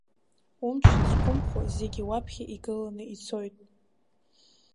Умч зқәымхо зегьы уаԥхьа игыланы ицоит.